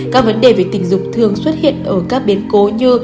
các vấn đề về tình dục thường xuất hiện ở các biến cố như